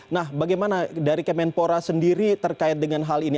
nah bagaimana dari kemenpora sendiri terkait dengan hal ini